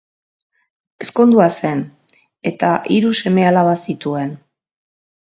Ezkondua zen, eta hiru seme-alaba zituen.